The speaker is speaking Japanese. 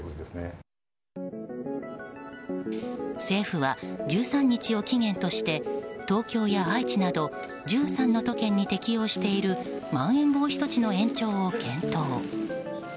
政府は１３日を期限として東京や愛知など１３の都県に適用しているまん延防止措置の延長を検討。